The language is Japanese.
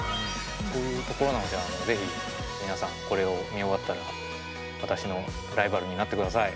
そういうところなので是非皆さんこれを見終わったら私のライバルになってください。